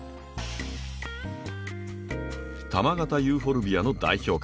球形ユーフォルビアの代表格